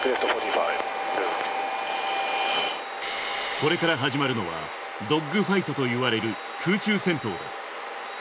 これから始まるのは、ドッグファイトといわれる空中戦闘。